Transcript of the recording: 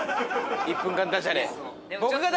１分間ダジャレ。